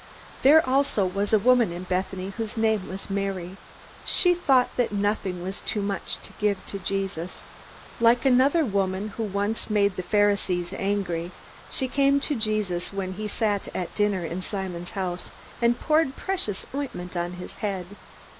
There also was a woman in Bethany whose name was Mary. She thought that nothing was too much to give to Jesus. Like another woman who once made the Pharisees angry, she came to Jesus when he sat at dinner in Simon's house and poured precious ointment on his head.